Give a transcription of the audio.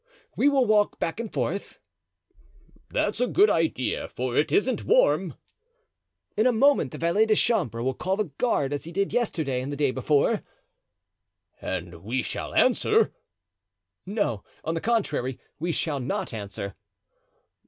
"We will walk back and forth." "That's a good idea, for it isn't warm." "In a moment the valet de chambre will call the guard, as he did yesterday and the day before." "And we shall answer?" "No, on the contrary, we shall not answer."